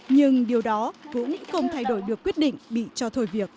nhưng điều đó cũng không thay đổi được quyết định bị cho thôi việc